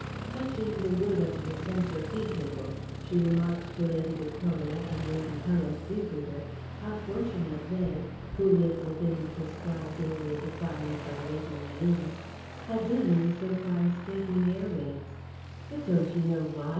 Touching the wood of the central tea table, she had remarked to Lady Victoria and Lady Helen Freebooter how fortunate they (who lived within the prescribed area defined by Lady Jeune) had been in so far escaping air raids. "But don't you know why?"